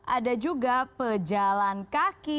ada juga pejalan kaki